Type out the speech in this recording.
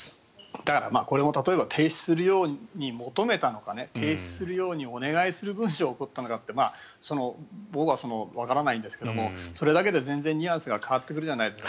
だから、これも例えば停止するように求めたのか停止するようにお願いする文書を送ったのかって僕はわからないんですがそれだけで全然ニュアンスが変わってくるじゃないですか。